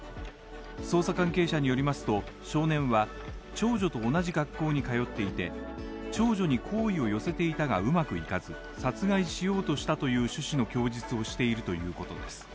捜査関係者によりますと、少年は長女と同じ学校に通っていて、長女に好意を寄せていたがうまくいかず、殺害しようとしたという趣旨の供述をしているということです。